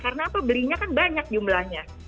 karena apa belinya kan banyak jumlahnya